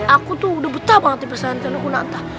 aku tuh udah betah banget di pesantren kunata